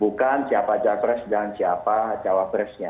bukan siapa capres dan siapa cawapresnya